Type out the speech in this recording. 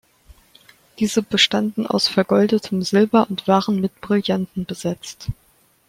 Diese bestanden aus vergoldetem Silber und waren mit Brillanten besetzt.